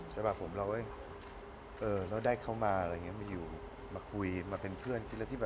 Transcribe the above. แต่ว่าผมเราได้เข้ามามาคุยมาเป็นเพื่อน